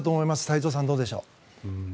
太蔵さん、どうでしょう。